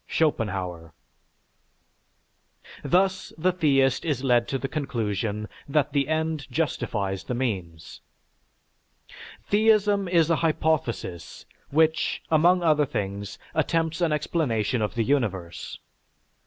(Schopenhauer.) Thus the theist is led to the conclusion that the end justifies the means. Theism is a hypothesis which, among other things, attempts an explanation of the universe.